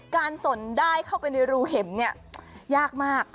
สนได้เข้าไปในรูเห็มเนี่ยยากมาก